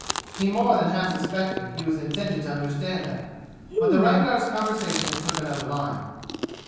He more than half suspected he was intended to understand that. But the Rangar's conversation took another line.